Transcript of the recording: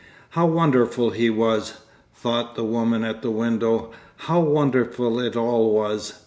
How wonderful he was, thought the woman at the window, how wonderful it all was.